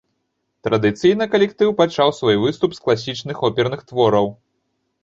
Традыцыйна калектыў пачаў свой выступ з класічных оперных твораў.